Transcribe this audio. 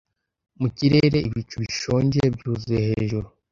Mu kirere Ibicu bishonje byuzuye hejuru